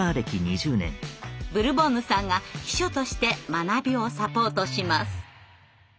ブルボンヌさんが秘書として学びをサポートします。